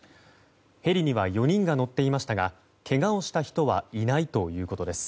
ヘリには４人が乗っていましたがけがをした人はいないということです。